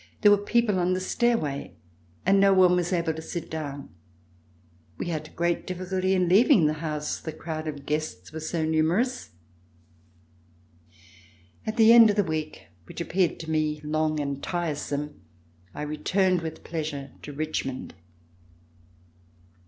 There were people on the stairway, and no one was able to sit down. We had great difficulty in leaving the house, the crowd of guests was so nu merous. At the end of the week, which appeared to me long and tiresome, I returned with pleasure to Richmond.